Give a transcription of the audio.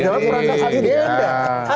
di dalam rangka satu denda